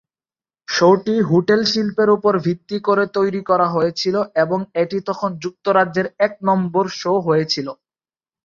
শোটি hotel শিল্পের উপর ভিত্তি করে তৈরি করা হয়েছিল এবং এটি তখন যুক্তরাজ্যের এক নম্বর শো হয়েছিল।